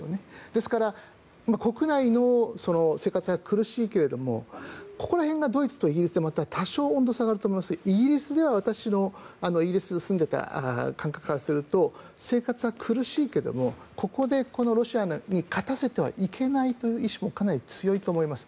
ですから国内の生活は苦しいけれどもここら辺がドイツとイギリスで多少、温度差があると思いますがイギリスでは私がイギリスに住んでいた感覚からすると生活は苦しいけどもここでロシアに勝たせてはいけないという意思もかなり強いと思います。